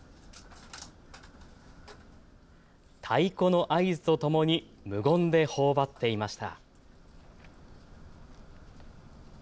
太鼓の合図とともに無言でほおばっていました。